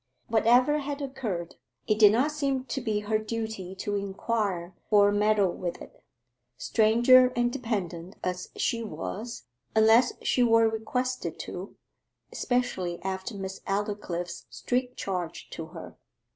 Whatever had occurred, it did not seem to be her duty to inquire or meddle with it, stranger and dependent as she was, unless she were requested to, especially after Miss Aldclyffe's strict charge to her.